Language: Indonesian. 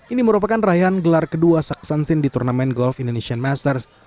ini merupakan rayaan gelar kedua saksansin di turnamen golf indonesian masters